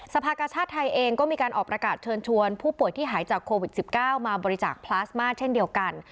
ภาคชาติไทยเองก็มีการออกประกาศเชิญชวนผู้ป่วยที่หายจากโควิด๑๙มาบริจาคพลาสมาเช่นเดียวกัน